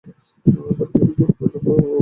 প্রাকৃতিকভাবে পয়দা হয়ে যাবে।